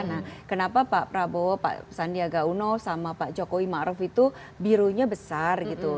nah kenapa pak prabowo pak sandiaga uno sama pak jokowi ⁇ maruf ⁇ itu birunya besar gitu